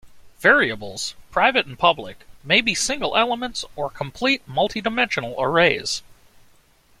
Variables, private and public, may be single elements or complete multi-dimensional arrays.